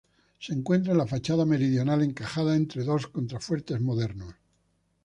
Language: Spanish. Se encuentra en la fachada meridional, encajada entre dos contrafuertes modernos.